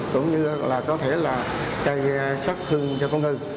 cũng như là có thể là chai sắc thương cho con ngư